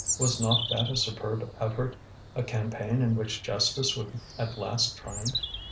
Was not that a superb effort, a campaign in which justice would at last triumph?